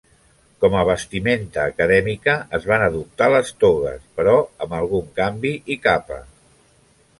Com a vestimenta acadèmica, es van adoptar les togues però amb algun canvi i capa.